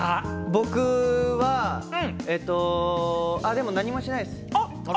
僕は、あ、でも何もしないです。